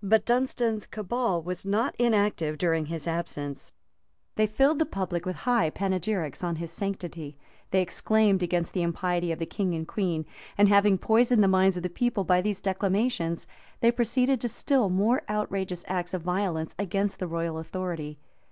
But Dunstan's cabal was not inactive during his absence: they filled the public with high panegyrics on his sanctity: they exclaimed against the impiety of the king and queen; and having poisoned the minds of the people by these declamations, they proceeded to still more outrageous acts of violence against the royal authority.